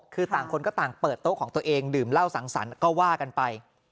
คือต่างคนก็ต่างเปิดโต๊ะของตัวเองดื่มเหล้าสังสรรค์ก็ว่ากันไป